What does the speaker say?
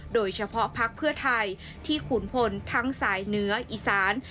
โดยเฉพาะพักเพื่อไทยที่ขุนพลทั้งสายเหนืออีสาน